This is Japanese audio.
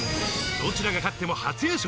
どちらが勝っても初優勝。